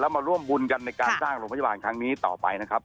มาร่วมบุญกันในการสร้างโรงพยาบาลครั้งนี้ต่อไปนะครับ